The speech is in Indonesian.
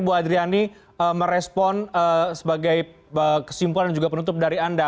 bu adriani merespon sebagai kesimpulan dan penutup dari anda